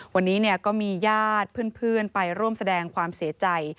วันนี้ก็มีญาติเพื่อนไปร่วมแสดงความเสียใจ